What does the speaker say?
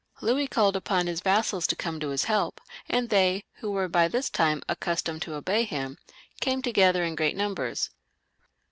Louis called upon his vassals to come to his help, and they, who were by this time accustomed to obey him, came together in great numbers.